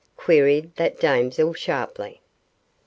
queried that damsel, sharply.